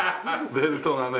ベルトがね。